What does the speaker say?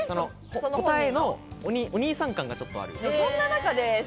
答えのお兄さん感がちょっとある。